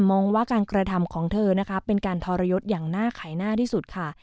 มองว่าการกระทำของเธอนะคะเป็นการทรยศอย่างหน้าไขหน้าที่สุดค่ะ